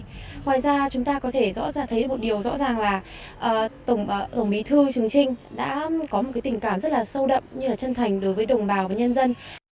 ngoài ra chúng ta có thể rõ ràng thấy một điều rõ ràng là tổng bí thư trường trinh đã có một tình cảm rất sâu đậm như là chân thành đối với đồng bào và nhân dân